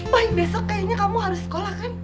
baik besok kayaknya kamu harus sekolah kan